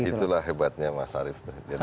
itulah hebatnya mas arief